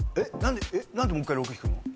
何でもう１回６引くの？